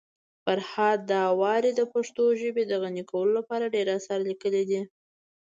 فرهاد داوري د پښتو ژبي د غني کولو لپاره ډير اثار لیکلي دي.